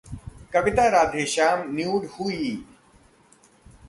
कविता Radheshyam nude हुई...